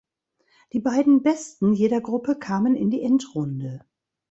Die beiden Besten jeder Gruppe kamen in die Endrunde.